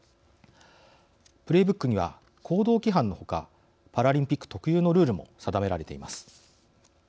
プレーブックには行動規範のほかパラリンピック特有のルールも定められています。